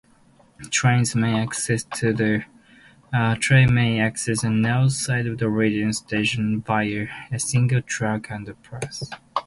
Trains may access the north side of Reading station via a single track underpass.